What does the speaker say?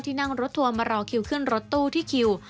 นั่งรถทัวร์มารอคิวขึ้นรถตู้ที่คิว